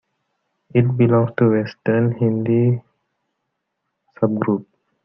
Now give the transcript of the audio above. It belongs to the Western Hindi subgroup.